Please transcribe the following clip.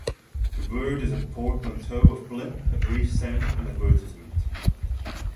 The word is a portmanteau of "blip", a brief sound, and "advertisement".